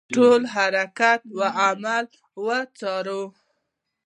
ټول حرکات او اعمال وڅاري.